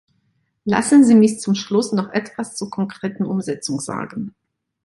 Lassen Sie mich zum Schluss noch etwas zur konkreten Umsetzung sagen.